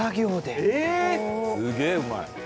すげえうまい。